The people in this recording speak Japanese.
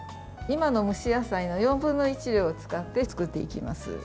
今の蒸し野菜の４分の１量を使って作っていきます。